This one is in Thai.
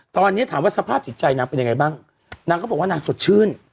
ตอนนี้ถามว่าสภาพจิตใจนางเป็นยังไงบ้างนางก็บอกว่านางสดชื่น